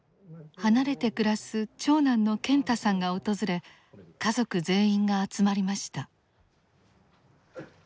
離れて暮らす長男の健太さんが訪れ家族全員が集まりました。